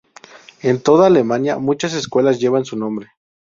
En toda Alemania, muchas escuelas llevan su nombre.